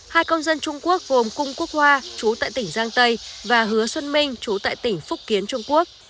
hai công dân trung quốc gồm cung quốc hoa chú tại tỉnh giang tây và hứa xuân minh chú tại tỉnh phúc kiến trung quốc